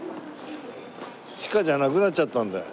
地下じゃなくなっちゃったんだよ。